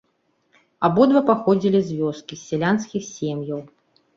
Абодва паходзілі з вёскі, з сялянскіх сем'яў.